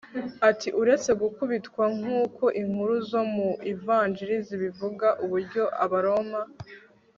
ati uretse gukubitwa nk uko inkuru zo mu ivanjiri zibivuga uburyo Abaroma